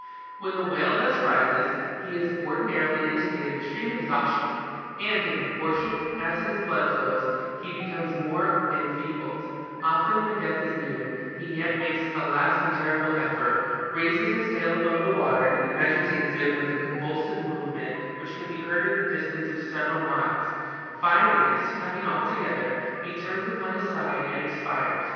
When the whale thus rises, he is ordinarily in a state of extreme exhaustion, and, in proportion as his blood flows, he becomes more enfeebled; often when death is near, he yet makes a last and terrible effort, raises his tail above the water, and agitates it with a convulsive movement which can be heard at a distance of several miles. Finally, succumbing altogether, he turns upon his side and ex pires.